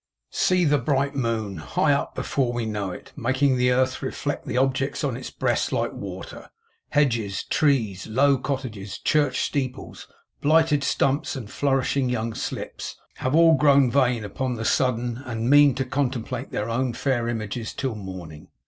See the bright moon! High up before we know it; making the earth reflect the objects on its breast like water. Hedges, trees, low cottages, church steeples, blighted stumps and flourishing young slips, have all grown vain upon the sudden, and mean to contemplate their own fair images till morning.